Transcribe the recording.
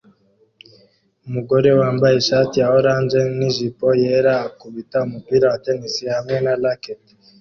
Umugore wambaye ishati ya orange nijipo yera akubita umupira wa tennis hamwe na racket